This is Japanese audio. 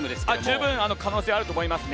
十分可能性はあると思います。